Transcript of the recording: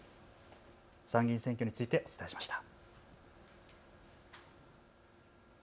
参議院選挙についてお伝えしました。